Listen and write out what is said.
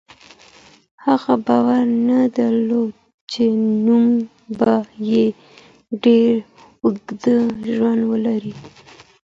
هغه باور نه درلود چې نوم به یې ډېر اوږد ژوند ولري.